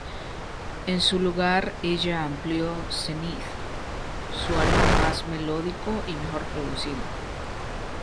En su lugar, ella amplio "Zenith", su álbum más melódico y mejor producido.